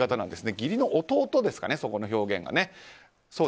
義理の弟ですかね、この表現は。